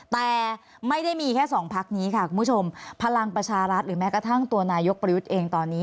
แต่ไม่ได้มีแค่สองพักนี้ค่ะคุณผู้ชมพลังประชารัฐหรือแม้กระทั่งตัวนายกประยุทธ์เองตอนนี้